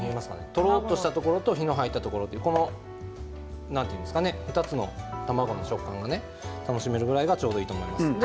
とろっとしたところと火の入っているところ２つの卵の食感が楽しめるくらいがちょうどいいと思います。